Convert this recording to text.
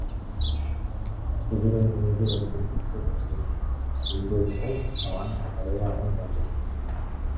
குதிரை மீது வந்து நின்று கொண்டிருந்த டுன்டுஷை அவன் அடையாளங் கண்டுகொண்டான்.